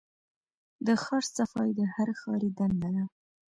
د ښار صفايي د هر ښاري دنده ده.